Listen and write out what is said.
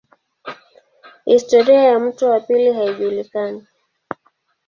Historia ya mto wa pili haijulikani.